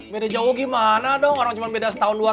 beda jauh gimana dong orang cuma beda setahun dua